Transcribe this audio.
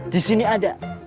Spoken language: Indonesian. di sini ada